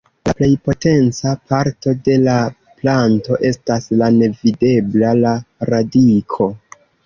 La plej potenca parto de la planto estas la nevidebla: la radiko.